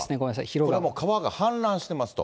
これはもう川が氾濫してますと。